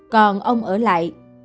còn ông ở lại